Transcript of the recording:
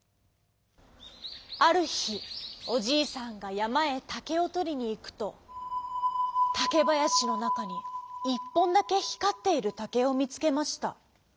あるひおじいさんがやまへたけをとりにいくとたけばやしのなかに１ぽんだけひかっているたけをみつけました。